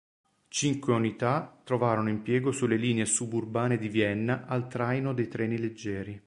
Cinque unità trovarono impiego sulle linee suburbane di Vienna al traino dei treni leggeri.